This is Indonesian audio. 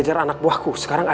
fahri harus tau nih